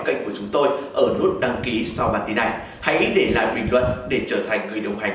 kênh của chúng tôi ở nút đăng ký sau bản tin này hãy để lại bình luận để trở thành người đồng hành